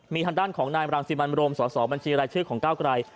มีทางด้านของนายบรังสิมันโรมสสบัญชีรายชื่อของก้าวไกล